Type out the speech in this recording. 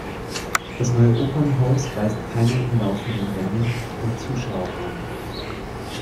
Das neue Opernhaus weist keine umlaufenden Ränge im Zuschauerraum auf.